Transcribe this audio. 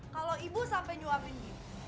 kalau ibu sampai nyuapin